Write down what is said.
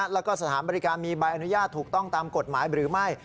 แล้วก็สถานบริการมีใบอนุญาตถูกต้องตามกฎหมายหรือไม่